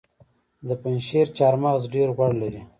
د پنجشیر چهارمغز ډیر غوړ لري.